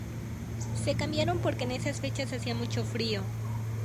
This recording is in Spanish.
Se cambiaron porque en esas fechas hacía mucho frío.